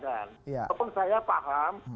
walaupun saya paham